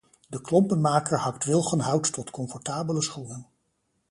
De klompenmaker hakt wilgenhout tot comfortabele schoenen.